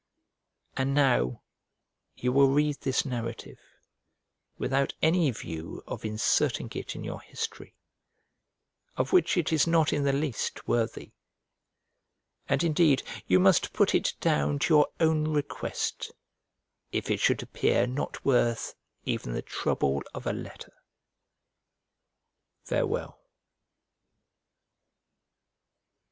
And now, you will read this narrative without any view of inserting it in your history, of which it is not in the least worthy; and indeed you must put it down to your own request if it should appear not worth even the trouble of a letter. Farewell.